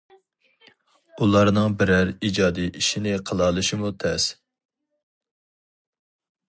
ئۇلارنىڭ بىرەر ئىجادىي ئىشىنى قىلالىشىمۇ تەس.